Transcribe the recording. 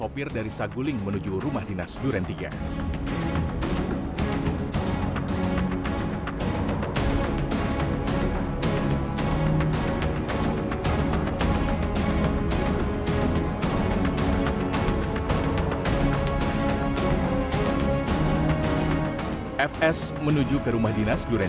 fs menuju ke rumah dinas duren tiga